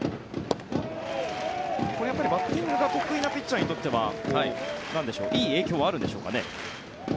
これはバッティングが得意なピッチャーにとってはいい影響はあるんでしょうかね。